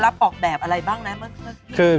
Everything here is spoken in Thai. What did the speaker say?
รับออกแบบอะไรบ้างนะเมื่อกี้